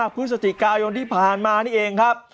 พฤศจิกายนที่ผ่านมานี่เองครับ